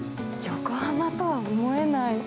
横浜とは思えない。